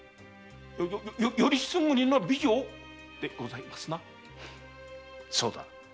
選りすぐりの美女をでございますな⁉そうだ。